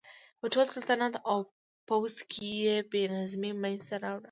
په ټول سلطنت او پوځ کې یې بې نظمي منځته راوړه.